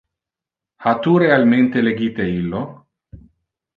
Ha tu realmente legite illo?